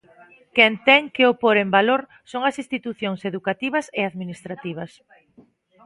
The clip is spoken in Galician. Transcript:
Quen ten que o pór en valor son as institucións educativas e administrativas.